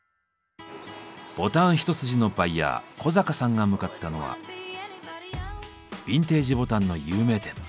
ボタン一筋のバイヤー小坂さんが向かったのはビンテージボタンの有名店。